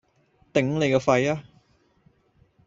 頂你個肺呀！